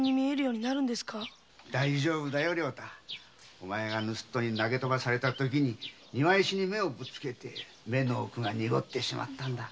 お前が盗っ人に投げとばされたときに庭石に目をぶつけて目の奥が濁ってしまったのだ。